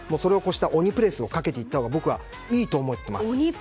鬼プレスをかけていったほうが僕はいいと思っています。